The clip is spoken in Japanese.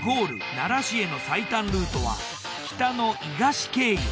奈良市への最短ルートは北の伊賀市経由。